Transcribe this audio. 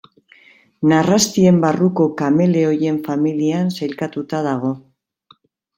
Narrastien barruko kameleoien familian sailkatuta dago.